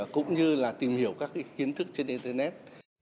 cũng như là tìm hiểu các kiến thức trên internet